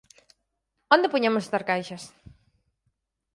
Onde poñemos estas caixas?